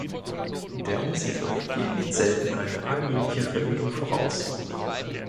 Der Umsiedlung geht nicht selten eine allmähliche Verödung voraus.